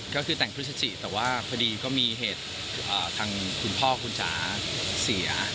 ก็คือแต่งพฤศจิแต่ว่าพอดีก็มีเหตุทางคุณพ่อคุณจ๋าเสีย